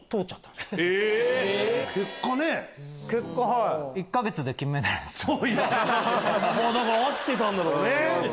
だから合ってたんだろうね。